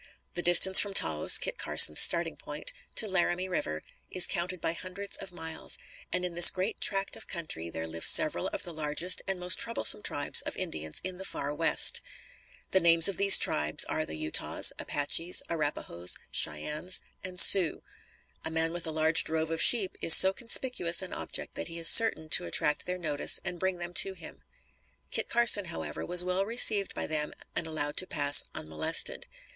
The distance from Taos, Kit Carson's starting point, to Laramie River, is counted by hundreds of miles; and in this great tract of country, there live several of the largest and most troublesome tribes of Indians in the far West. The names of these tribes are the Utahs, Apaches, Arrapahoes, Cheyennes and Sioux. A man with a large drove of sheep is so conspicuous an object that he is certain to attract their notice and bring them to him. Kit Carson, however, was well received by them and allowed to pass unmolested.